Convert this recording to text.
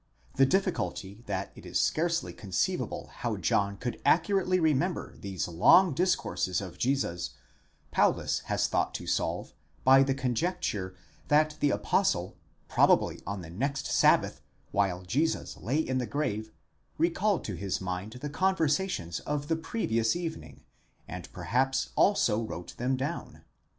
The difficulty, that it is scarcely conceivable how John could accurately remember these long discourses of Jesus, Paulus has thought to solve, by the conjecture, that the apostle, probably on the next Sabbath, while Jesus lay in the grave, recalled to his mind the conversations of the previous evening, and perhaps also wrote them down.